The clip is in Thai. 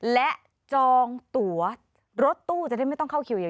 และจองตัวรถตู้จะได้ไม่ต้องเข้าคิวอย่าง